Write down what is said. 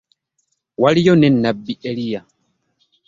Waliyo ne Nabbi Eliya .